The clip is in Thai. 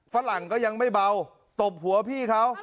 ฝรั่งก็ยังไม่เบาตบหัวพี่เขา